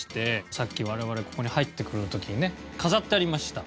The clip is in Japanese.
さっき我々ここに入ってくる時にね飾ってありました。